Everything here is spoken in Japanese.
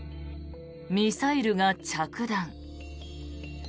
ミサイルが着弾。